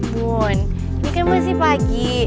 bun ini kan masih pagi